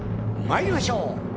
まいりましょう。